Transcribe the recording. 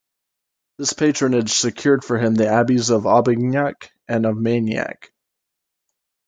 This patronage secured for him the abbeys of Aubignac and of Mainac.